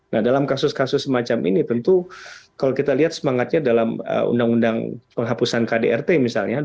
nah dalam kasus kasus semacam ini tentu kalau kita lihat semangatnya dalam undang undang penghapusan kdrt misalnya